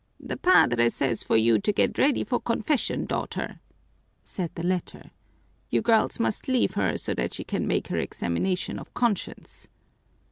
"The padre says for you to get ready for confession, daughter," said the latter. "You girls must leave her so that she can make her examination of conscience."